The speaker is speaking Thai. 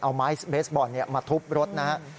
เอาไม้เบสบอร์ดเนี่ยมาทุบรถนะฮะ